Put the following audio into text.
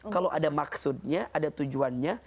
kalau ada maksudnya ada tujuannya